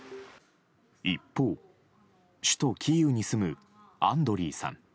一方、首都キーウに住むアンドリーさん。